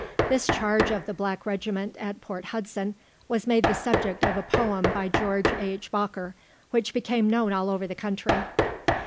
This charge of the Black Regiment at Port Hudson was made the subject of a poem by George H. Boker, which became known all over the country.